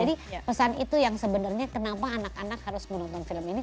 jadi pesan itu yang sebenarnya kenapa anak anak harus menonton film ini